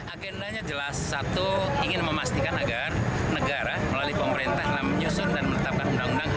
agendanya jelas satu ingin memastikan agar negara melalui pemerintah dalam menyusun dan menetapkan undang undang